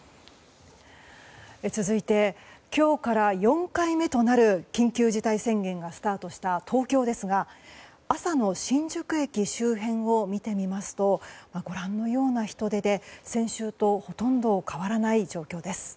続いて、今日から４回目となる緊急事態宣言がスタートした東京ですが朝の新宿駅周辺を見てみますとご覧のような人出で先週とほとんど変わらない状況です。